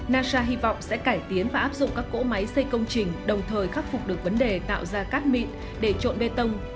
nasa hy vọng sẽ cải tiến và áp dụng các cỗ máy xây công trình đồng thời khắc phục được vấn đề tạo ra cát mịn để trộn bê tông